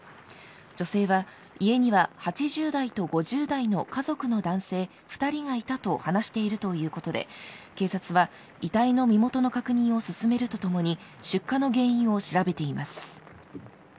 女性は、家には８０代と５０代の家族の男性２人がいたと話しているということで警察は遺体の身元の確認を進めるとともに出火の原因を調べています。